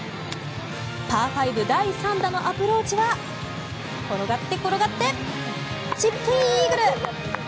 パー５、第３打のアプローチは転がって、転がってチップインイーグル！